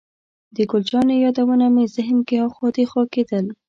د ګل جانې یادونه مې ذهن کې اخوا دېخوا کېدل.